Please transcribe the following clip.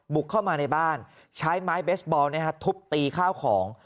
บุกเข้ามาในบ้านใช้ไม้เบสบอลทุบตีข้าวของ